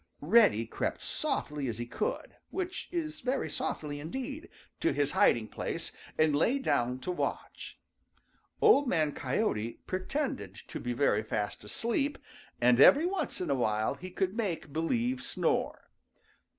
Reddy crept softly as he could, which is very softly indeed, to his hiding place and lay down to watch. Old Man Coyote pretended to be very fast asleep, and every once in a while he would make believe snore.